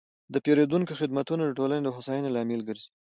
د پیرودونکو خدمتونه د ټولنې د هوساینې لامل ګرځي.